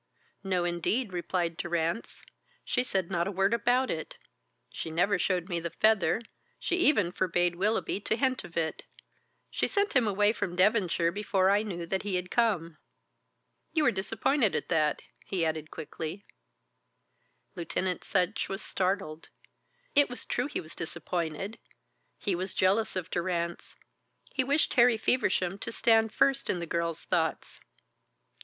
"No, indeed," replied Durrance. "She said not a word about it, she never showed me the feather, she even forbade Willoughby to hint of it, she sent him away from Devonshire before I knew that he had come. You are disappointed at that," he added quickly. Lieutenant Sutch was startled. It was true he was disappointed; he was jealous of Durrance, he wished Harry Feversham to stand first in the girl's thoughts.